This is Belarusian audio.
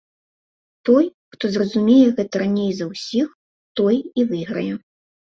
Той, хто зразумее гэта раней за ўсіх, той і выйграе.